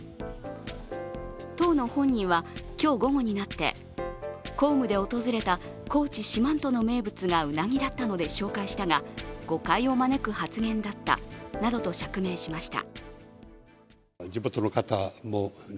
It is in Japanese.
当の本人は、今日午後になって公務で訪れた高知・四万十の名物がうなぎだったので紹介したが誤解を招く発言だったなどと釈明しました。